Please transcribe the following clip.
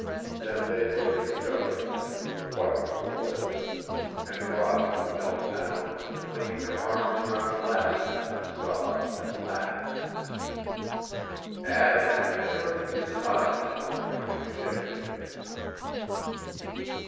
Then they looked at each other and grew white to the lips, and Robin knelt down and flinging her arms around Lassie sobbed and laughed. Adam never took his eyes from the coming ship.